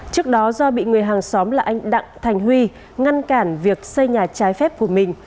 trước đó do bị người hàng xóm là anh đặng thành huy ngăn cản việc xây nhà trái phép của mình